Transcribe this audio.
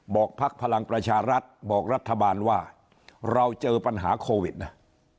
พักพลังประชารัฐบอกรัฐบาลว่าเราเจอปัญหาโควิดนะ